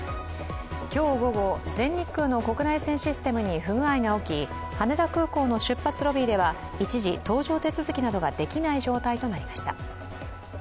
今日午後、全日空の国内線システムに不具合が起き、羽田空港の出発ロビーでは一時搭乗手続きなどができない状態となりました。